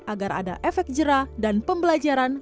agar ada efek jerah dan pembelajaran